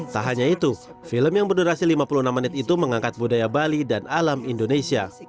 tak hanya itu film yang berdurasi lima puluh enam menit itu mengangkat budaya bali dan alam indonesia